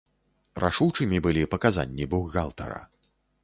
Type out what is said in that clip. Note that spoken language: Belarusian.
Рашучымі былі паказанні бухгалтара.